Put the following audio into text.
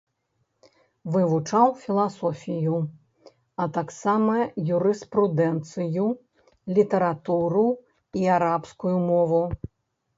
Вывучаў філасофію, а таксама юрыспрудэнцыю, літаратуру і арабскую мову.